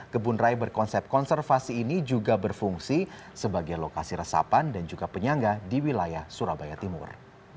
kebun raya berkonsep konservasi ini juga berfungsi sebagai lokasi resapan dan juga penyangga di wilayah surabaya timur